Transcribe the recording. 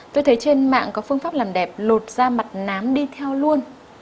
tôi thấy trên mạng có phương pháp làm đẹp lột ra mặt nám đi theo luôn